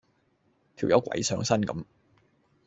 條友鬼上身咁